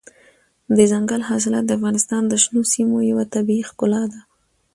دځنګل حاصلات د افغانستان د شنو سیمو یوه طبیعي ښکلا ده.